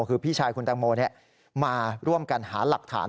คือพี่ชายคุณแตงโมมาร่วมกันหาหลักฐาน